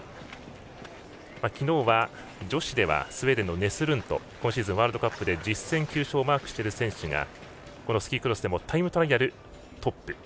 昨日は女子ではスウェーデンのネスルント今シーズン、ワールドカップで１０戦９勝をマークした選手がスキークロスでもタイムトライアル、トップ。